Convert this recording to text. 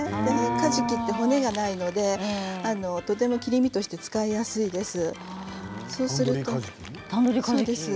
かじきって骨がないのでとても切り身として使いやすいです。